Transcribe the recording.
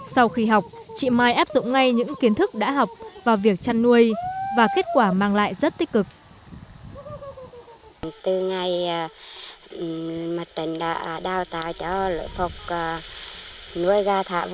sau khi học chị mai áp dụng ngay những kiến thức đã học vào việc chăn nuôi và kết quả mang lại rất tích cực